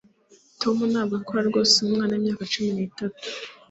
Tom ntabwo rwose akora nkumwana wimyaka cumi n'itatu.